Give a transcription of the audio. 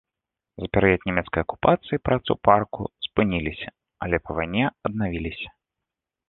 За перыяд нямецкай акупацыі працы ў парку спыніліся, але па вайне аднавіліся.